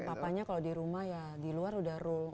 papanya kalau di rumah ya di luar udah rule